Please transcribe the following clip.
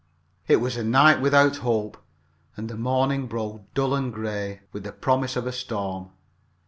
It was a night without hope, and the morning broke dull and gray, with the promise of a storm.